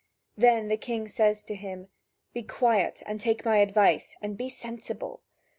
Then the king says to him: "Be quiet, and take my advice, and be sensible.